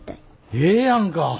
ええやんか。